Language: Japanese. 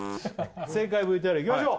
正解ＶＴＲいきましょう